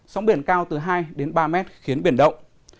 sóng biển cao từ hai đến ba mét khiến biển động